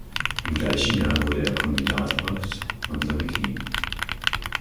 Im gleichen Jahr wurde er Kommendatarabt von Savigny.